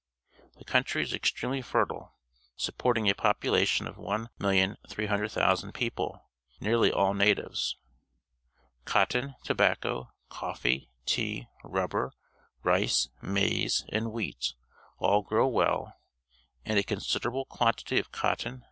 The country is extremely fertile, supporting a population of 1,300,000 people, nearly all natives. Cotton, tobacco, coffee, tea, rubber, rice, maize, and wheat all grow well, and a considerable quantity of cotton.